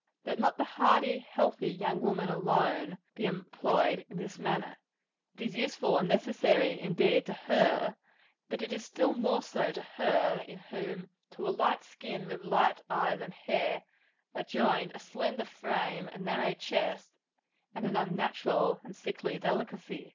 Let not the hardy, healthy young woman alone, be employed in this manner. It is useful and necessary, indeed, to her; but it is still more so to her in whom, to a light skin with light eyes and hair, are joined a slender frame, a narrow chest, and an unnatural and sickly delicacy.